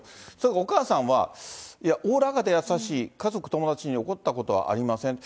お母さんは、いや、おおらかで優しい、家族、友達に怒ったことはありません。